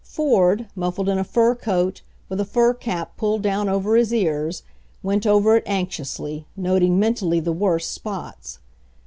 Ford, muffled in a fur coat, with a fur cap pulled down over his ears, went over it anxiously, noting mentally the worst, spots.